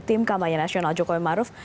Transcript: tim kampanye nasional jokowi maruf